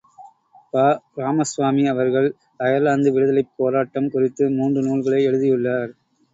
ப. ராமஸ்வாமி அவர்கள் அயர்லாந்து விடுதலைப் போராட்டம் குறித்து மூன்று நூல்கள் எழுதியுள்ளார்.